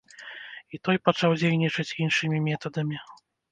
І той пачаў дзейнічаць іншымі метадамі.